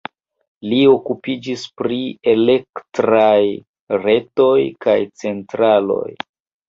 Li okupiĝis pri elektraj retoj kaj centraloj.